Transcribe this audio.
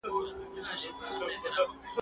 له مړاني څخه خلاص قام د کارګانو.